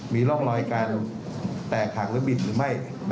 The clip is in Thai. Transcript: มีร่องรอยการแตกหักหรือบินหรือไม่